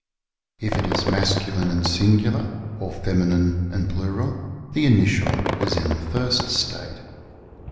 If it is masculine and singular, or feminine and plural, the initial is in the first state.